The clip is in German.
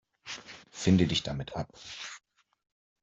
Finde dich damit ab.